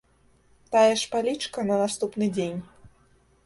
Тая ж палічка на наступны дзень.